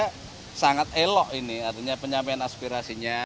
menurut saya sangat elok ini artinya penyampaian aspirasinya